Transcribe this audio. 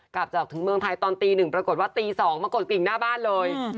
กลับจากถึงเมืองไทยตอนตีหนึ่งปรากฏว่าตี๒มากดกลิ่งหน้าบ้านเลย